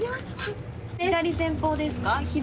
左前方ですか？